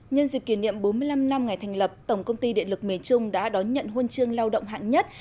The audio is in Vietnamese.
nhân dịp kỷ niệm bốn mươi năm năm ngày thành lập tổng công ty điện lực miền trung đã đón nhận huân chương lao động hạng nhất